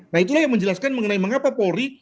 nah itulah yang menjelaskan mengenai mengapa polri